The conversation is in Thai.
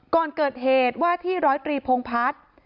ก่อนเกิดเหตุว่าที่ร้อยตรีพงพัฒน์